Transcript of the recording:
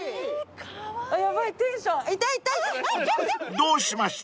［どうしました⁉］